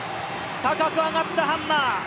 高く上がったハンマー。